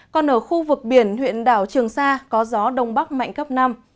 còn ở khu vực biển huyện đảo trường sa có gió đông bắc mạnh cấp năm